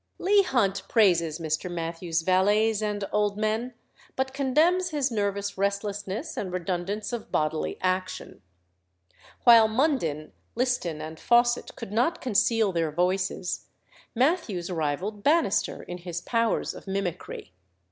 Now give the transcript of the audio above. Leigh Hunt praises Mr. Mathews's valets and old men, but condemns his nervous restlessness and redundance of bodily action. While Munden, Liston, and Fawcett could not conceal their voices, Mathews rivalled Bannister in his powers of mimicry.